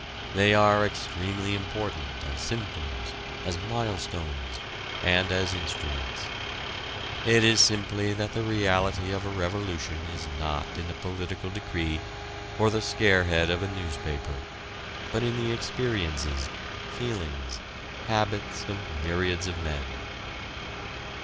They are extremely important as symptoms, as milestones, and as instruments. It is simply that the reality of a revolution is not in a political decree or the scarehead of a newspaper, but in the experiences, feelings, habits of myriads of men.